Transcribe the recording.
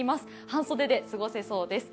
半袖で過ごせそうです。